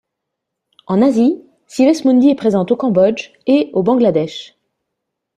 En Asie, Cives Mundi est présente au Cambodge et au Bangladesh.